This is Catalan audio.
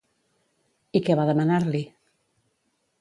I què va demanar-li?